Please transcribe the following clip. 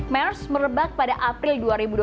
mers merebak pada april dua ribu dua puluh